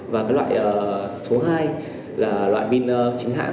và loại số hai là loại pin chính hãng